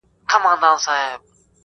په دې پوه وي يا پوه شي